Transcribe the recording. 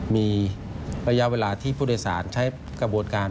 มีระยะเวลาที่ผู้โดยสารใช้กระบวนการ